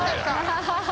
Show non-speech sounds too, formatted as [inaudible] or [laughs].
ハハハ [laughs]